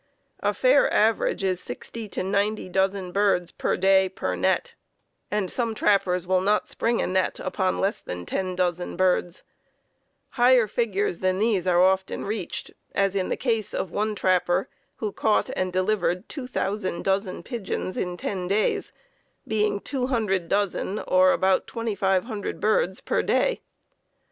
A fair average is sixty to ninety dozen birds per day per net and some trappers will not spring a net upon less than ten dozen birds. Higher figures than these are often reached, as in the case of one trapper who caught and delivered 2,000 dozen pigeons in ten days, being 200 dozen, or about 2,500 birds per day.